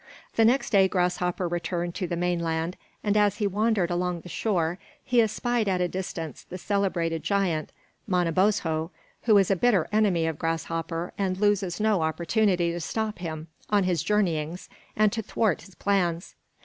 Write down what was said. The next day Grasshopper returned to the mainland, and as he wandered along the shore he espied at a distance the celebrated giant, Manabozho, who is a bitter enemy of Grasshopper and loses no opportunity to stop him on his journeyings and to thwart his plans.